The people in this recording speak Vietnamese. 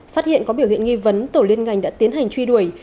phát hiện có biểu hiện nghi vấn tổ liên ngành đã tiến hành truy đuổi